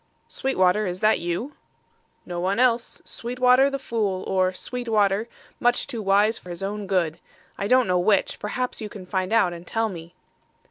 "Sweetwater, is that you?" "No one else. Sweetwater, the fool, or Sweetwater, much too wise for his own good. I don't know which. Perhaps you can find out and tell me."